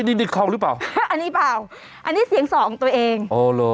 นี่นี่เข้าหรือเปล่าอันนี้เปล่าอันนี้เสียงส่อของตัวเองอ๋อเหรอ